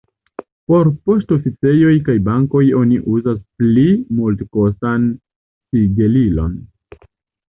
Por poŝtoficejoj kaj bankoj oni uzas pli multekostan sigelilon.